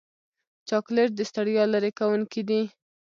چاکلېټ د ستړیا لرې کوونکی دی.